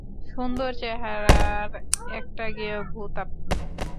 সুন্দর চেহারার একটা গেঁয়ো ভূত আপনি।